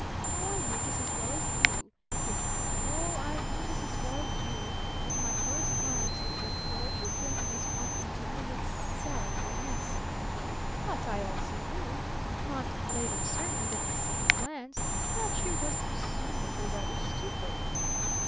"Oh, I knew just as well as you," he affirmed, "oh, I knew just as well as you at my first glance that your gorgeous young Miss Von Eaton was excellingly handsome. But I also knew not later certainly than my second glance that she was presumably rather stupid.